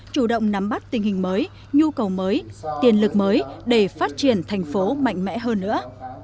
chủ động nắm bắt tình hình mới nhu cầu mới tiền lực mới để phát triển thành phố mạnh mẽ hơn nữa